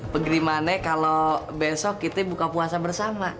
pegeri mane kalo besok kita buka puasa bersama